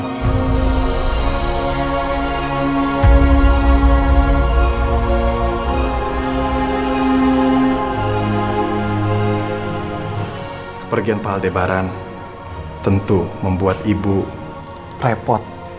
kepergian pak aldebaran tentu membuat ibu repot